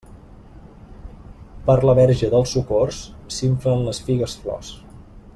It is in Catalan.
Per la Verge dels Socors, s'inflen les figues-flors.